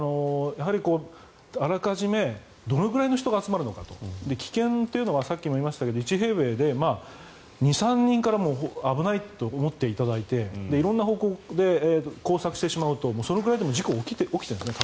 あらかじめどのくらいの人が集まるのか危険というのはさっきも言いましたが１平米で２３人から危ないと思っていただいて色んな方向で交錯してしまうとそのくらいでも事故が起きてるんですね。